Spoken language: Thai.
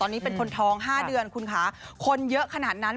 ตอนนี้เป็นคนท้อง๕เดือนคุณค่ะคนเยอะขนาดนั้น